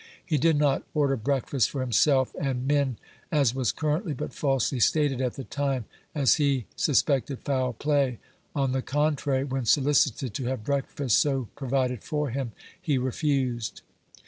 He did not order breakfast for himself and men, as was*currently but falsely stated at the time, as he suspected foul play ; on the contrary, when solicited to have breakfast so provided for him, he refused.